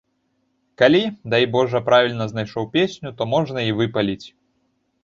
Калі, дай божа, правільна знайшоў песню, то можна і выпаліць.